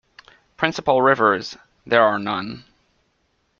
Principal rivers—there are none.